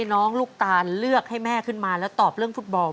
น้องลูกตาลเลือกให้แม่ขึ้นมาแล้วตอบเรื่องฟุตบอล